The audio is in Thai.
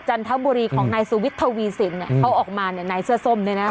จันทบุรีของนายสุวิทย์ทวีสินเนี่ยเขาออกมาเนี่ยนายเสื้อส้มเนี่ยนะ